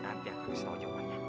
nanti aku kasih tau jawabannya